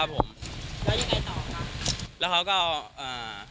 ครับผมแล้วยังไงต่อนะแล้วเขาก็เอาอ่า